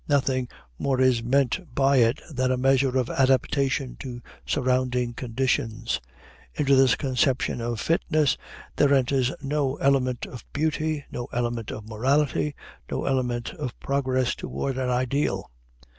Nothing more is meant by it than a measure of adaptation to surrounding conditions. Into this conception of fitness there enters no element of beauty, no element of morality, no element of progress toward an ideal.